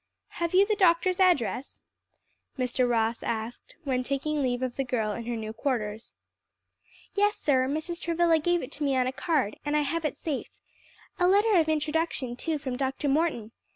"Have you the doctor's address?" Mr. Ross asked, when taking leave of the girl in her new quarters. "Yes, sir; Mrs. Travilla gave it to me on a card, and I have it safe. A letter of introduction too, from Dr. Morton.